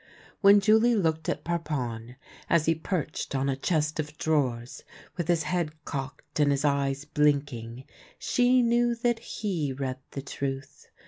When Julie looked at Par pon, as he perched on a chest of drawers, with his head cocked and his eyes blinking, she knew that he read the truth.